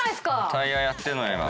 タイヤやってんの今。